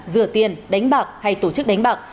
rửa tiền đánh bạc hay tổ chức đánh bạc